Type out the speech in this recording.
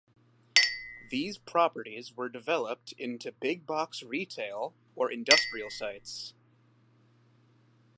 These properties were developed into big-box retail or industrial sites.